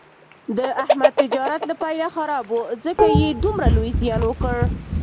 د احمد تجارت له پیله خراب و، ځکه یې دومره لوی زیان وکړ.